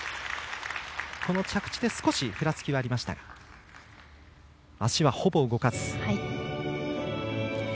着地で少しふらつきがありましたが足は、ほぼ動かず。